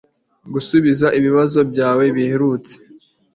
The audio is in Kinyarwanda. Gusubiza ibibazo byawe biherutse